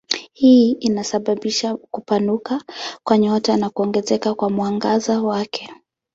Hii inasababisha kupanuka kwa nyota na kuongezeka kwa mwangaza wake.